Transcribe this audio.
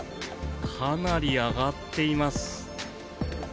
かなり上がっています。